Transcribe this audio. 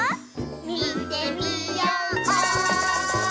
みてみよう！